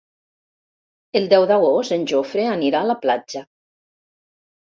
El deu d'agost en Jofre anirà a la platja.